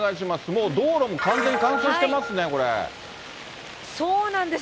もう道路も完全に冠水してますね、そうなんです。